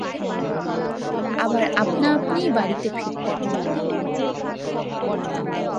আবার আপনাআপনিই বাড়িতে ফিরতেন।